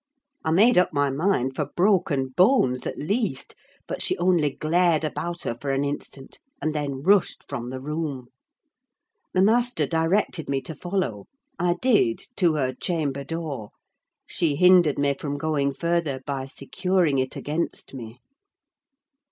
I made up my mind for broken bones, at least; but she only glared about her for an instant, and then rushed from the room. The master directed me to follow; I did, to her chamber door: she hindered me from going further by securing it against me.